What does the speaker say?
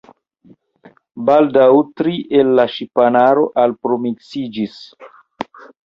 Baldaŭ tri el la ŝipanaro alproksimiĝis.